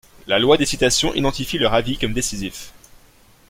La Loi des citations identifie leurs avis comme décisifs.